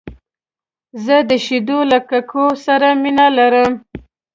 زه د شیدو له ککو سره مینه لرم .